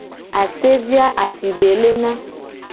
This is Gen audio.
Asevi a afivi be lena.